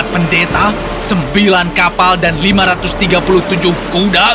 empat pendeta sembilan kapal dan lima ratus tiga puluh tujuh kuda